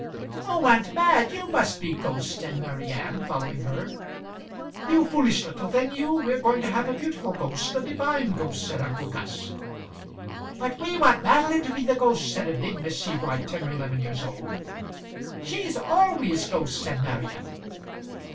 "Oh, aunt Mad, you must be ghost," said Marian, following her. "You foolish little thing, you; we are going to have a beautiful ghost a divine ghost," said uncle Gus. "But we want Madeline to be the ghost," said a big Miss Sebright, ten or eleven years old. "She's always ghost," said Marian.